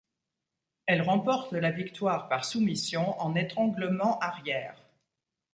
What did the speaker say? Elle remporte la victoire par soumission en étranglement arrière.